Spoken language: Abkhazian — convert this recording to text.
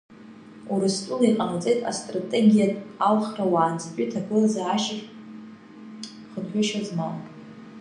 Урыстәыла иҟанаҵеит астратегиатә алхра уаанӡатәи аҭагылазаашьахь хынҳәышьа змам.